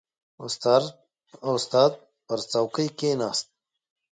• استاد پر څوکۍ کښېناست.